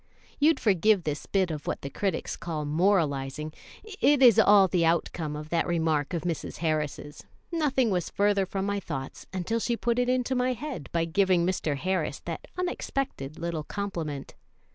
You'd forgive this bit of what the critics call moralizing it is all the outcome of that remark of Mrs. Harris's; nothing was further from my thoughts until she put it into my head by giving Mr. Harris that unexpected little compliment.